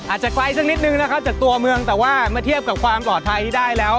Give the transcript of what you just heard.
อาจจะไกลสักนิดนึงนะครับจากตัวเมืองแต่ว่าเมื่อเทียบกับความปลอดภัยที่ได้แล้ว